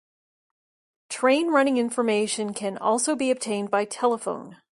Train running information can also be obtained by telephone.